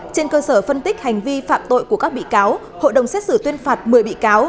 trên cơ sở phân tích hành vi phạm tội của các bị cáo hội đồng xét xử tuyên phạt một mươi bị cáo